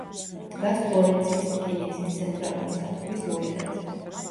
დგას ფლორენციის რკინიგზის ცენტრალური სადგურის მოედანზე.